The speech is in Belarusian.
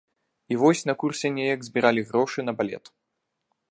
І вось на курсе неяк збіралі грошы на балет.